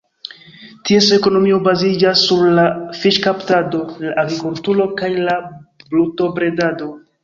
Ties ekonomio baziĝas sur la fiŝkaptado, la agrikulturo kaj la brutobredado.